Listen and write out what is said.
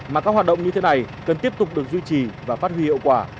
mà các hoạt động như thế này cần tiếp tục được duy trì và phát huy hiệu quả